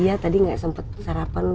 iya tadi gak sempet sarapan